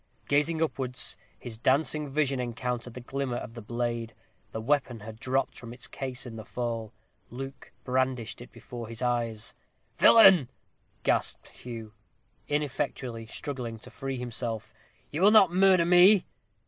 Gazing upwards, his dancing vision encountered the glimmer of the blade. The weapon had dropped from its case in the fall. Luke brandished it before his eyes. "Villain!" gasped Hugh, ineffectually struggling to free himself, "you will not murder me?"